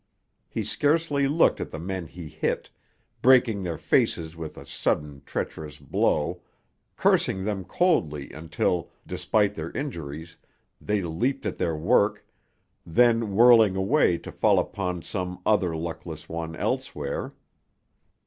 He scarcely looked at the men he hit, breaking their faces with a sudden, treacherous blow, cursing them coldly until, despite their injuries, they leaped at their work, then whirling away to fall upon some other luckless one elsewhere.